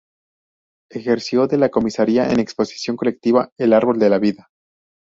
Ejerció de comisaria en exposición colectiva "El árbol de la vida.